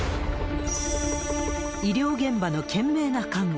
医療現場の懸命な看護。